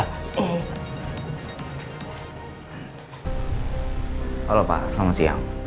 halo pak selamat siang